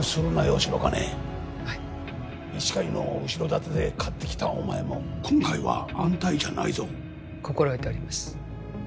白金はい医師会の後ろ盾で勝ってきたお前も今回は安泰じゃないぞ心得ております